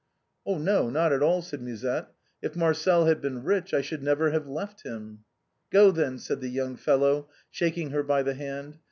" No, not at alV said Musette. " If Marcel had been rich I should never have left him." " Go, then," said the young fellow, shaking her by the hand.